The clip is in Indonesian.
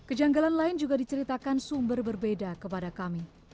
kejanggalan lain juga diceritakan sumber berbeda kepada kami